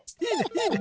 いいね！